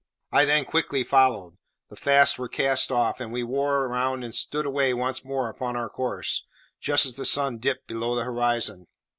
I then quickly followed; the fasts were cast off, and we wore round and stood away once more upon our course, just as the sun dipped below the horizon.